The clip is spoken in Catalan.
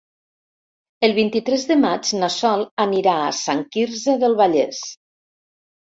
El vint-i-tres de maig na Sol anirà a Sant Quirze del Vallès.